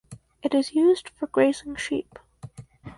It is used for grazing sheep.